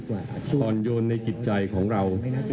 ความยนต์ในจิตใจของเรา